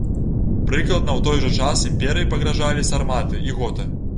Прыкладна ў той жа час імперыі пагражалі сарматы і готы.